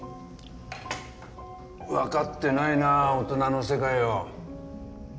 わかってないな大人の世界を。